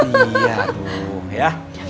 iya tuh ya